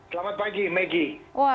selamat pagi maggie